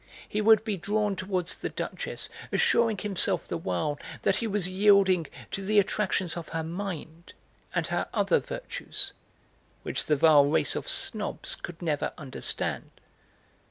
He would be drawn towards the duchess, assuring himself the while that he was yielding to the attractions of her mind, and her other virtues, which the vile race of snobs could never understand.